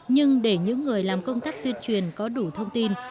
nhưng để những người làm công tác tuyên truyền có đủ thông tin